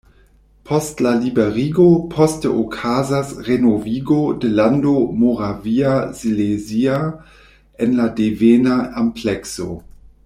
Post la liberigo poste okazas renovigo de Lando Moraviasilezia en la devena amplekso.